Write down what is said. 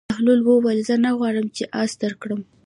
بهلول وویل: زه نه غواړم چې اس درکړم.